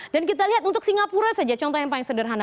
dan kita lihat untuk singapura saja contoh yang paling sederhana